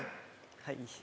はい。